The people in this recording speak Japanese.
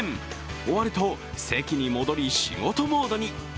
終わると席に戻り、仕事モードに。